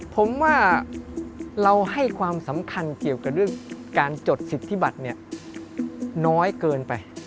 ผมว่าเราให้ความสำคัญเกี่ยวกับเรื่องการจดสิทธิบัติน้อยเกินไป